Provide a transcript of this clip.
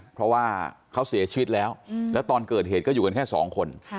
เพราะว่าเขาเสียชีวิตแล้วแล้วตอนเกิดเหตุก็อยู่กันแค่สองคน